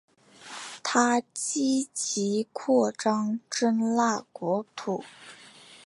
他积极扩张真腊国土。